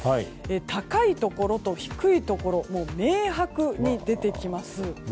高いところと低いところが明白に出てきます。